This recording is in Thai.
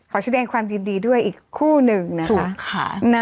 ขอแสดงความยินดีด้วยอีกคู่หนึ่งนะถูกค่ะ